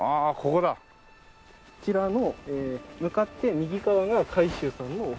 こちらの向かって右側が海舟さんのお墓。